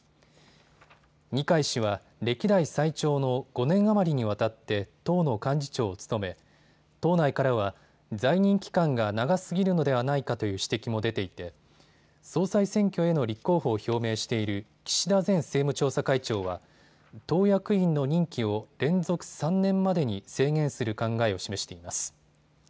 二階氏は歴代最長の５年余りにわたって党の幹事長を務め党内からは在任期間が長すぎるのではないかという指摘も出ていて総裁選挙への立候補を表明している岸田前政務調査会長は党役員の任期を連続３年までに制限する考えを示しています。